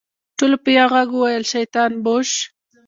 ټولو په يوه ږغ وويل شيطان بوش.